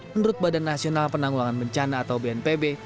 menurut badan nasional penanggulangan bencana atau bnpb